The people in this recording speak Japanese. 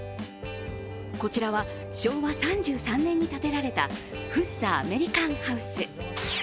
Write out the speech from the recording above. こちらは昭和３３年に建てられた福生アメリカンハウス。